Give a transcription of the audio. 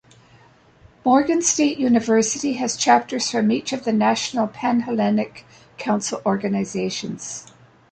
Morgan State University has chapters from each of the National Pan-Hellenic Council organizations.